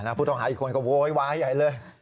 น่าผู้ต้องหาอีกคนก็โว้ยไา้เลย